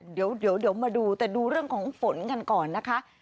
เดี๋ยวมาดูแต่ดูเรื่องของฝนกันก่อนนะคะ